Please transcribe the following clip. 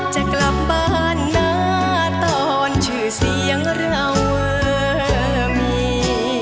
จะกลับบ้านหน้าตอนชื่อเสียงเรามี